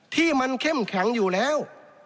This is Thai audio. ที่มันเข้มแข็งอยู่แล้ว